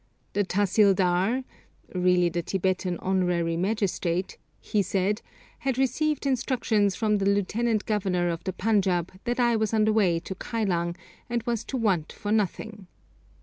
The tahsildar (really the Tibetan honorary magistrate), he said, had received instructions from the Lieutenant Governor of the Panjāb that I was on the way to Kylang, and was to 'want for nothing.'